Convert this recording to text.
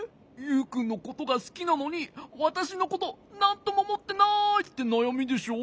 「ユウくんのことがすきなのにわたしのことなんともおもってない」ってなやみでしょ？